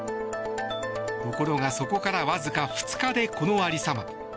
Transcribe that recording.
ところが、そこからわずか２日でこの有り様。